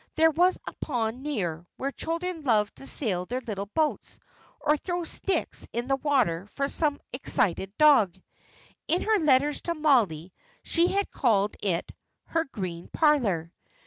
There was a pond near, where children loved to sail their little boats, or throw sticks in the water for some excited dog. In her letters to Mollie, she had called it "her green parlour."